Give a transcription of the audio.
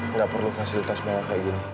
nggak perlu fasilitas mewah kayak gini